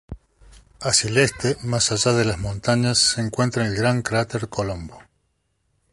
Hacia el este, más allá de las montañas, se encuentra el gran cráter Colombo.